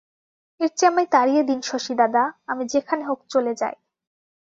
এর চেয়ে আমায় তাড়িয়ে দিন শশীদাদা, আমি যেখানে হোক চলে যাই।